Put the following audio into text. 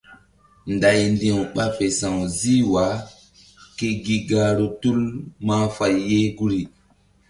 Nday ndi̧w ɓa fe sa̧w zih wa ke gi gahru tul mahfay ye guri.